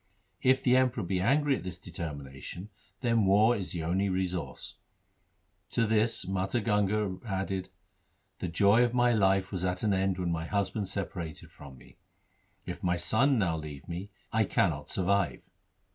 If the Emperor be angry at this determination, then war is the only resource.' To this Mata Ganga added, ' The joy of my life was at an end when my husband separated from me. If my son now leave me, I cannot survive.'